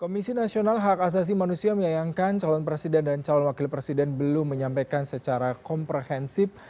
komisi nasional hak asasi manusia menyayangkan calon presiden dan calon wakil presiden belum menyampaikan secara komprehensif